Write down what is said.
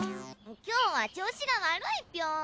今日は調子が悪いピョン！